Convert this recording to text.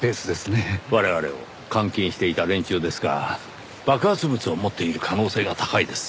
我々を監禁していた連中ですが爆発物を持っている可能性が高いです。